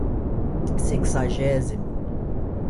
sexagésimo